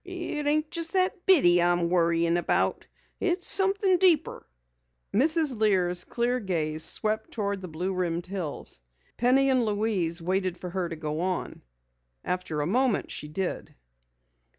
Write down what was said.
"It ain't just that biddy I'm worried about. It's somethin' deeper." Mrs. Lear's clear gaze swept toward the blue rimmed hills. Penny and Louise waited for her to go on. After a moment she did.